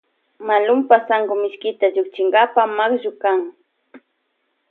Malunpa sankumishkita llukchinkapa makllukan.